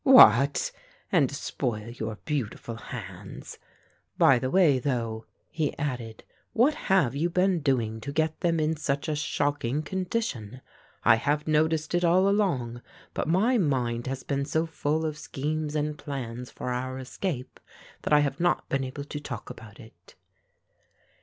"What! and spoil your beautiful hands. By the way, though," he added, "what have you been doing to get them in such a shocking condition? I have noticed it all along but my mind has been so full of schemes and plans for our escape, that I have not been able to talk about it."